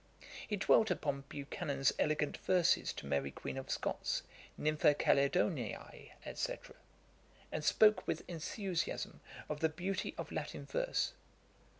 He dwelt upon Buchanan's elegant verses to Mary Queen of Scots, Nympha Caledoniae, &c., and spoke with enthusiasm of the beauty of Latin verse.